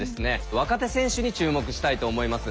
若手選手に注目したいと思います。